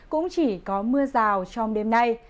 cũng chỉ có mưa rào trong đêm nay